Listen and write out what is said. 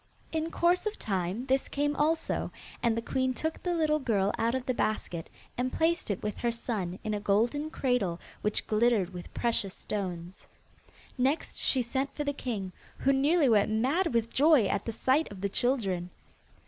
In course of time, this came also, and the queen took the little girl out of the basket, and placed it with her son in a golden cradle which glittered with precious stones. Next she sent for the king, who nearly went mad with joy at the sight of the children.